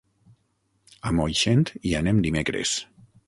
A Moixent hi anem dimecres.